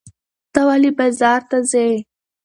ته ولې بازار ته ځې؟